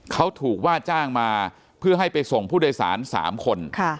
เขาถูกว่าจ้างมาเพื่อให้ไปส่งผู้โดยสาร๓คน